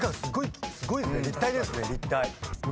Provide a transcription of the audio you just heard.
立体ですね立体。